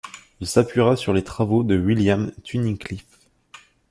Il s’appuiera sur les travaux de William Tunnicliffe.